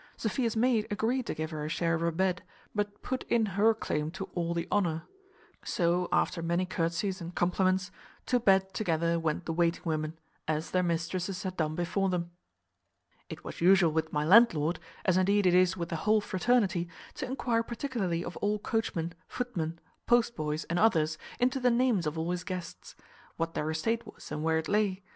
Sophia's maid agreed to give her a share of her bed, but put in her claim to all the honour. So, after many courtsies and compliments, to bed together went the waiting women, as their mistresses had done before them. It was usual with my landlord (as indeed it is with the whole fraternity) to enquire particularly of all coachmen, footmen, postboys, and others, into the names of all his guests; what their estate was, and where it lay.